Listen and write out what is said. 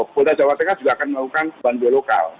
polda jawa tengah juga akan melakukan banwe lokal